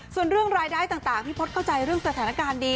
ส่วนเรื่องรายได้ต่างพี่พศเข้าใจเรื่องสถานการณ์ดี